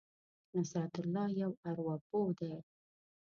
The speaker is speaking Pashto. نصرت الله یو ارواپوه دی.